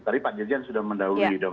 tadi pak jijan sudah menerima